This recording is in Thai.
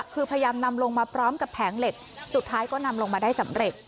คือพยายามนำลงมาพร้อมกับแผงเหล็กสุดท้ายก็นำลงมาได้สำเร็จ